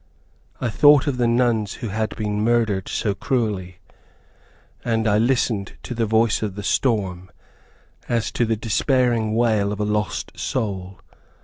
I thought of the nuns who had been murdered so cruelly, and I listened to the voice of the storm, as to the despairing wail of a lost soul.